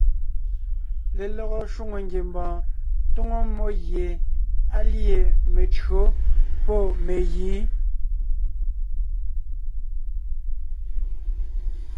Lelɔgɔ shwòŋo ngiembɔɔn tóŋo mmó gie á lîe mentÿǒ pɔ́ megǐ.